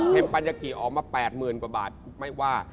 ปัญญากิออกมา๘๐๐๐กว่าบาทไม่ว่า